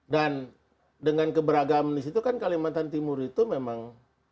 dengan keberagaman di situ kan kalimantan timur itu memang